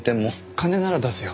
金なら出すよ。